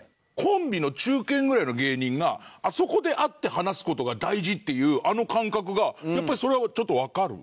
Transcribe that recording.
コンビの中堅ぐらいの芸人があそこで会って話す事が大事っていうあの感覚がやっぱりそれはちょっとわかる？